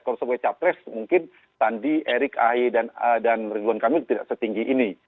kalau sebagai capres mungkin sandi erick ahaye dan ridwan kamil tidak setinggi ini